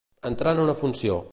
Entrar en una funció.